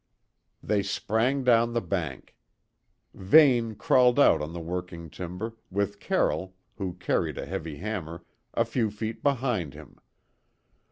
They sprang down the bank. Vane crawled out on the working timber, with Carroll, who carried a heavy hammer, a few feet behind him.